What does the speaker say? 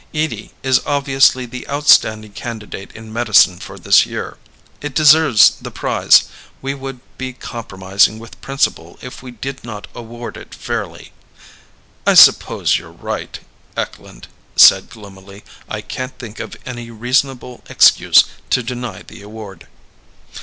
Edie is obviously the outstanding candidate in medicine for this year. It deserves the prize. We would be compromising with principle if we did not award it fairly." "I suppose you're right," Eklund said gloomily. "I can't think of any reasonable excuse to deny the award."